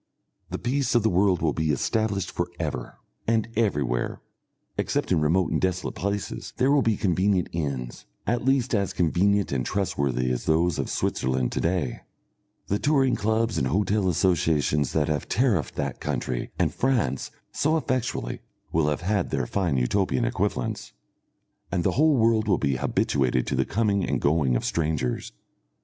The peace of the world will be established for ever, and everywhere, except in remote and desolate places, there will be convenient inns, at least as convenient and trustworthy as those of Switzerland to day; the touring clubs and hotel associations that have tariffed that country and France so effectually will have had their fine Utopian equivalents, and the whole world will be habituated to the coming and going of strangers.